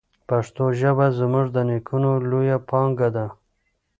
پښتو ژبه زموږ د نیکونو لویه پانګه ده.